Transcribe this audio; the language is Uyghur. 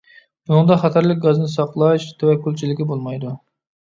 بۇنىڭدا خەتەرلىك گازنى ساقلاش تەۋەككۈلچىلىكى بولمايدۇ.